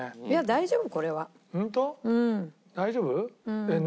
大丈夫。